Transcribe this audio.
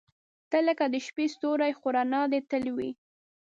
• ته لکه د شپې ستوری، خو رڼا دې تل وي.